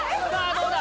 どうだ？